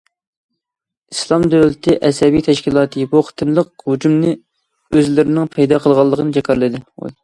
ئىسلام دۆلىتى ئەسەبىي تەشكىلاتى بۇ قېتىملىق ھۇجۇمنى ئۆزلىرىنىڭ پەيدا قىلغانلىقىنى جاكارلىدى.